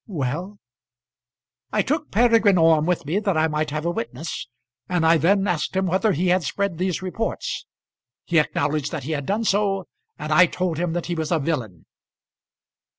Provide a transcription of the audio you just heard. "Well?" "I took Peregrine Orme with me that I might have a witness, and I then asked him whether he had spread these reports. He acknowledged that he had done so, and I told him that he was a villain."